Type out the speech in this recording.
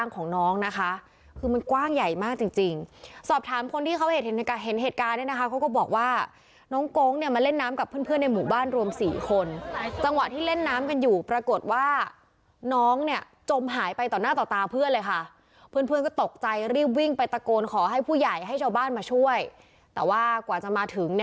ของน้องนะคะคือมันกว้างใหญ่มากจริงสอบถามคนที่เขาเห็นเหตุการณ์เนี่ยนะคะเขาก็บอกว่าน้องโก๊งเนี่ยมาเล่นน้ำกับเพื่อนในหมู่บ้านรวม๔คนจังหวะที่เล่นน้ำกันอยู่ปรากฏว่าน้องเนี่ยจมหายไปต่อหน้าต่อตาเพื่อนเลยค่ะเพื่อนเพื่อนก็ตกใจรีบวิ่งไปตะโกนขอให้ผู้ใหญ่ให้ชาวบ้านมาช่วยแต่ว่ากว่าจะมาถึง